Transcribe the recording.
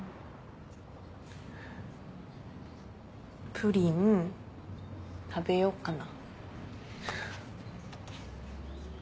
プリン食べよっかな。